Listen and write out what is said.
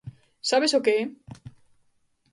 Sabes o que é?